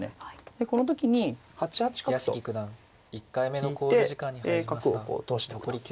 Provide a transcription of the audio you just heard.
でこの時に８八角と引いて角をこう通しておくと。